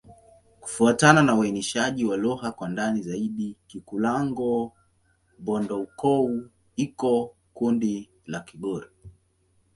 Kufuatana na uainishaji wa lugha kwa ndani zaidi, Kikulango-Bondoukou iko katika kundi la Kigur.